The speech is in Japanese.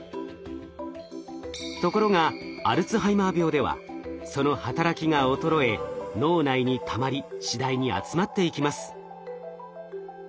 ところがアルツハイマー病ではその働きが衰え脳内にたまり次第に集まっていきます。